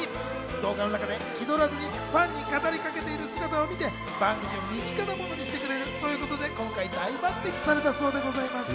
動画の中で気取らずにファンに語りかけている姿を見て、番組を身近なものにしてくれるということで今回、大抜擢されたそうです。